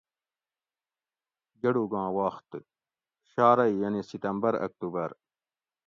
گڑوگاں وخت: -شارئ یعنی ستمبر اکتوبر